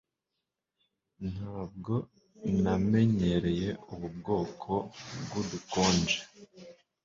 ntabwo namenyereye ubu bwoko bwubukonje